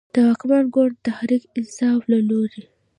د واکمن ګوند تحریک انصاف له لورې